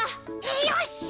よし！